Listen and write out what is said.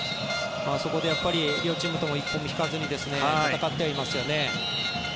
そこで両チームとも一歩も引かずに戦ってはいますよね。